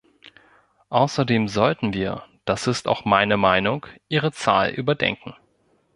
Außerdem sollten wir das ist auch meine Meinung ihre Zahl überdenken.